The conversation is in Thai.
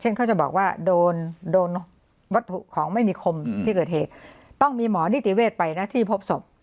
เขาจะบอกว่าโดนโดนวัตถุของไม่มีคมที่เกิดเหตุต้องมีหมอนิติเวศไปนะที่พบศพ